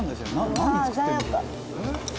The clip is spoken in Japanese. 何作ってるのか」